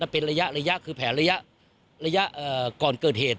เป็นระยะคือแผลระยะก่อนเกิดเหตุ